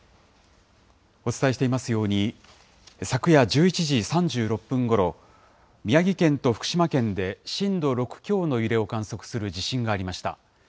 お伝えしていますように、昨夜１１時３６分ごろ、宮城県と福島県で震度６強の揺れを観測する地震がありました。